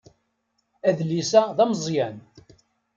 Adlis-a d ameẓẓyan